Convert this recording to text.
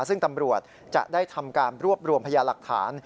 ซึ่งตำรวจจะได้ทำการรวบรวมพยาหลักฐาน